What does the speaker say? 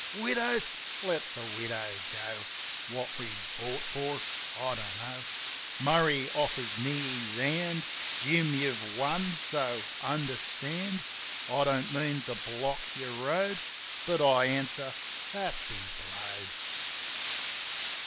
Widows ? Let the widow go ! What we fought for I don't know. Murray offers me his hand: "Jim, you've won ; so, understand, I don't mean to block your road ..." But I answer, "That be blowed!"